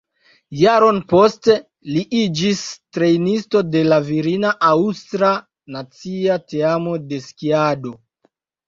Jaron poste li iĝis trejnisto de la virina aŭstra nacia teamo de skiado.